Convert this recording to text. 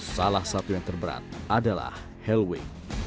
salah satu yang terberat adalah hell wing